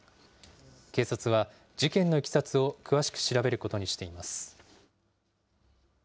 警察は事件のいきさつを詳しく調べることにしています。